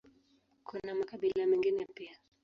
Kuna makabila mengine pia.